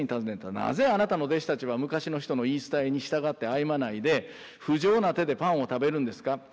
なぜあなたの弟子たちは昔の人の言い伝えに従って歩まないで不浄な手でパンを食べるんですか？